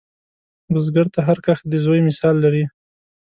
بزګر ته هر کښت د زوی مثال لري